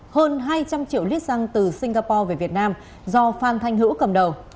hơn hai trăm linh triệu lít xăng từ singapore về việt nam do phan thanh hữu cầm đầu